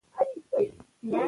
دوی مڼې وخوړلې.